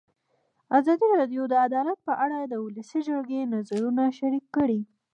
ازادي راډیو د عدالت په اړه د ولسي جرګې نظرونه شریک کړي.